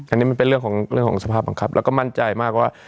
อันนี้มันเป็นเรื่องของสภาพบังคับแล้วก็มั่นใจมากว่า